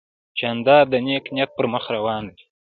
جانداد د نیک نیت پر مخ روان دی.